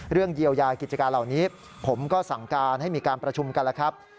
เรื่องเยียวยากิจการเหล่านี้ผมก็สั่งการให้มีการประชุมกันแล้วครับ